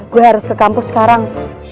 gue harus ke kampus sekarang